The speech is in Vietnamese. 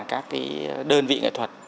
các cái đơn vị nghệ thuật